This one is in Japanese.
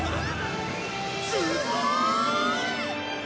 すごい！